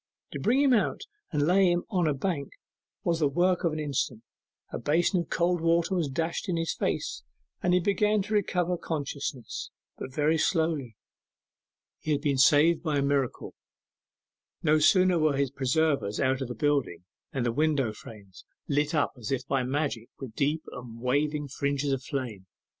To bring him out and lay him on a bank was the work of an instant; a basin of cold water was dashed in his face, and he began to recover consciousness, but very slowly. He had been saved by a miracle. No sooner were his preservers out of the building than the window frames lit up as if by magic with deep and waving fringes of flames.